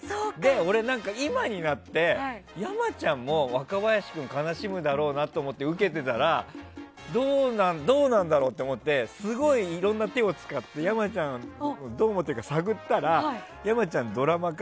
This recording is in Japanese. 俺、今になって山ちゃんも若林君悲しむだろうなと思って受けてたらどうなんだろうと思ってすごいいろんな手を使って山ちゃんどう思ってるか探ったら山ちゃんはドラマ化